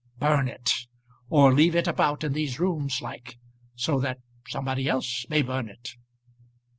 "Burn it; or leave it about in these rooms like; so that somebody else may burn it."